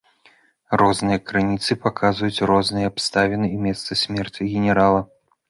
Розныя крыніцы паказваюць розныя абставіны і месца смерці генерала.